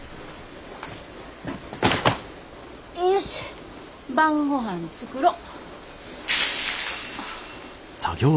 よいしょ晩ごはん作ろ。